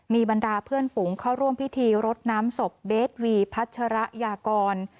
มีบรรดาเพื่อนฝูงเข้าร่วมพิธีรดน้ำศพเบสวีพัชระยากร